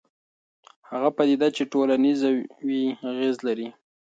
هغه پدیده چې ټولنیز وي اغېز لري.